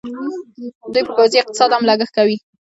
دوی په پوځي اقتصاد هم لګښت کوي.